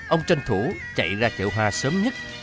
ông tranh thủ chạy ra chợ hoa sớm nhất